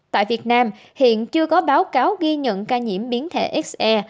tại việt nam hiện chưa có báo cáo ghi nhận ca nhiễm biến thể se